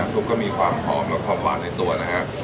ซุปก็มีความหอมและความหวานในตัวนะฮะ